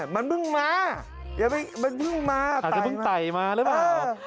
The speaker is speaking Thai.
มันเพิ่งมามันเพิ่งมาอาจจะเพิ่งไต่มาหรือเปล่า